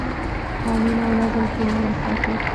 قانون او نظم ټولنه ساتي.